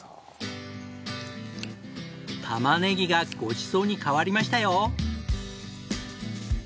たまねぎがごちそうに変わりましたよ！